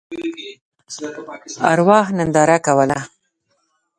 ارواح ننداره کوله.